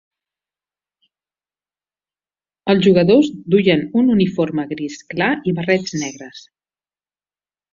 Els jugadors duien un uniforme gris clar i barrets negres.